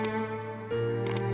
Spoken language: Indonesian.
ceng eh tunggu